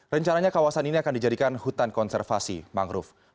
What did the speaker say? rencananya kawasan ini akan dijadikan hutan konservasi mangrove